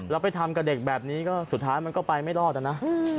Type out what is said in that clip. แล้วไปทำกับเด็กแบบนี้ก็สุดท้ายมันก็ไปไม่รอดนะ